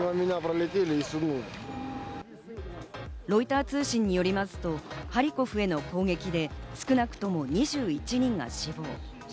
ロイター通信によりますとハリコフへの攻撃で、少なくとも２１人が死亡。